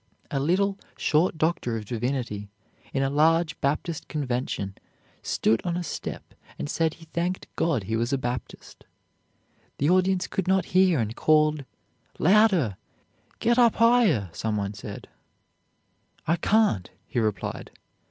A little, short doctor of divinity in a large Baptist convention stood on a step and said he thanked God he was a Baptist. The audience could not hear and called "Louder." "Get up higher," some one said. "I can't," he replied.